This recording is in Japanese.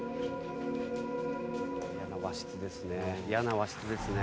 「嫌な和室ですね。